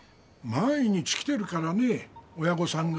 毎日来てるからね親御さんが。